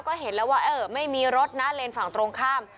ก็เห็นแล้วว่าเออไม่มีรถนะเลนส์ฝั่งตรงข้าม